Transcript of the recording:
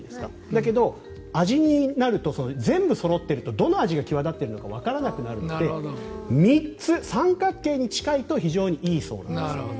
だけど、味になると全部そろっているとどの味が際立っているのかわからなくなるので三角形に近いと非常にいいそうです。